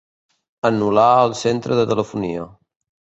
Anul·lar el centre de telefonia.